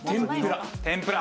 天ぷら。